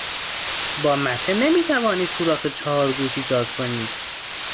با مته نمیتوانی سوراخ چهارگوش ایجاد کنی.